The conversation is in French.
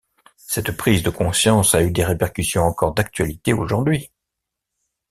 Cette prise de conscience a eu des répercussions encore d'actualité aujourd'hui.